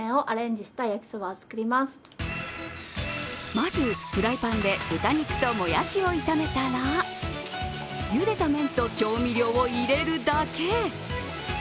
まずフライパンで豚肉ともやしを炒めたらゆでた麺と調味料を入れるだけ！